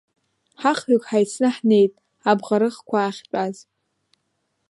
Ҳахҩык ҳаицны ҳнеит абӷархықәаа ахьтәаз.